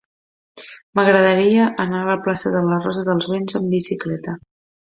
M'agradaria anar a la plaça de la Rosa dels Vents amb bicicleta.